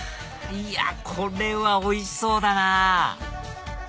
これはおいしそうだなぁ